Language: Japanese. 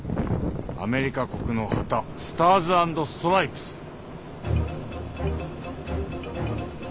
アメリカ国の旗スターズアンドストライプス。